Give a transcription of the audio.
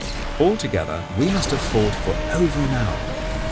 Altogether we must have fought for over an hour.